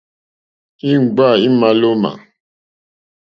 Íŋɡbâ émá ílómǎ.